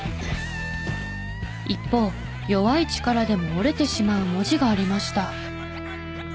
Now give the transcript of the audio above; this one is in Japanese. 一方弱い力でも折れてしまう文字がありました。